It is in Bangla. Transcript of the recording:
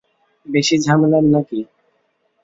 বেশি ঝামেলার নাকি?